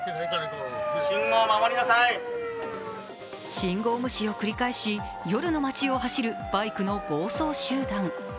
信号無視を繰り返し、夜の街を走るバイクの暴走集団。